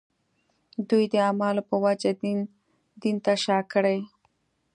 دوی د اعمالو په وجه دین ته شا کړي.